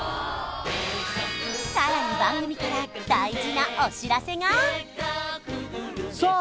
さらに番組から大事なお知らせがさあ